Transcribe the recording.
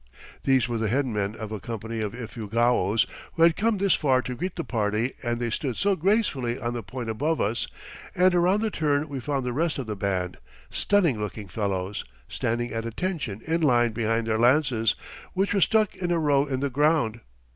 These were the head men of a company of Ifugaos who had come this far to greet the party and they stood so gracefully on the point above us; and around the turn we found the rest of the band, stunning looking fellows, standing at attention in line behind their lances, which were stuck in a row in the ground.